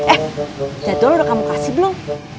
eh jadwal udah kamu kasih belum